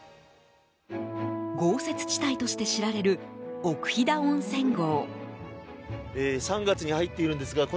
豪雪地帯として知られる奥飛騨温泉郷。